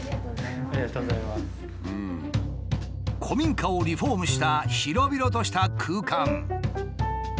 古民家をリフォームした広々とした空間。